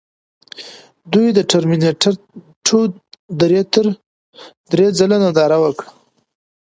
دوی د ټرمینیټر ټو درې ځله ننداره وکړه